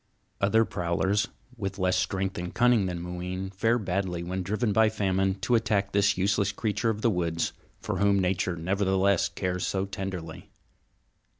Other prowlers, with less strength and cunning than Mooween, fare badly when driven by famine to attack this useless creature of the woods, for whom Nature nevertheless cares so tenderly.